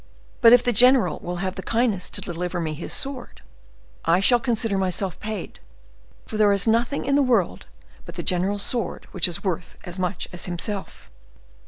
But if the general will have the kindness to deliver me his sword, I shall consider myself paid; for there is nothing in the world but the general's sword which is worth as much as himself."